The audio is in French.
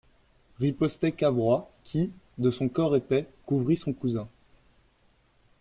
Ripostait Cavrois, qui, de son corps épais, couvrit son cousin.